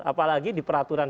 apalagi di peraturan